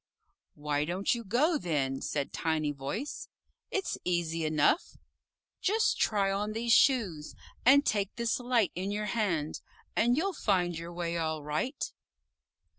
"Why don't you go, then?" said Tiny Voice. "It's easy enough. Just try on these Shoes, and take this Light in your hand, and you'll find your way all right."